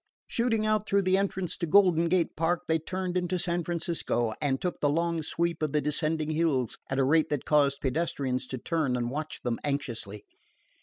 Shooting out through the entrance to Golden Gate Park, they turned into San Francisco, and took the long sweep of the descending hills at a rate that caused pedestrians to turn and watch them anxiously.